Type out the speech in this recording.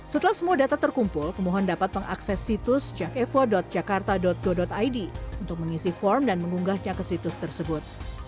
setelah semua data terkumpul pemohon dapat mengakses situs jakevo jakarta go id untuk mengisi form dan mengunggahnya ke situs tersebut